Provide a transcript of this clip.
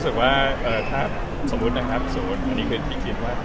แต่เรื่องแหล่งเรื่องคือ